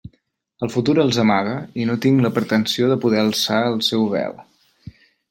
El futur els amaga, i no tinc la pretensió de poder alçar el seu vel.